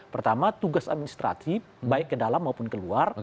pertama tugas administratif baik ke dalam maupun keluar